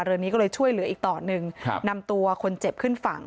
เรือนี้ก็เลยช่วยเหลืออีกต่อหนึ่งครับนำตัวคนเจ็บขึ้นฝั่ง